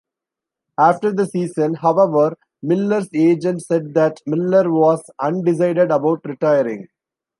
After the season, however, Miller's agent said that Miller was undecided about retiring.